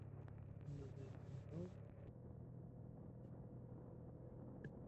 مګر د نورو توهین کول جواز نه لري.